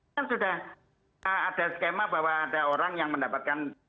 kan sudah ada skema bahwa ada orang yang mendapatkan